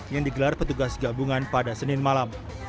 yang digelar petugas gabungan pada senin malam